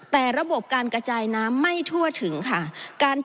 แต่ระบบการกระจายน้ำไม่ทั่วถึงค่ะ